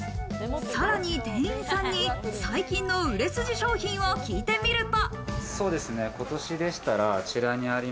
さらに店員さんに最近の売れ筋商品を聞いてみると。